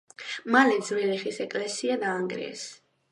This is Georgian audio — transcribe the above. მალე ძველი ხის ეკლესია დაანგრიეს.